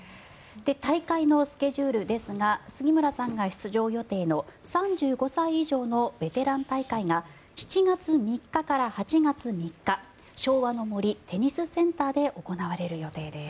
大会のスケジュールですが杉村さんが出場予定の３５歳以上のベテラン大会が７月３日から８月３日昭和の森テニスセンターで行われる予定です。